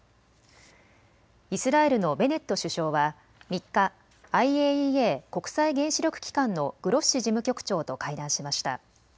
イスラエルのベネット首相は３日、ＩＡＥＡ・国際原子力機関のグロッシ事務局長と会談しました。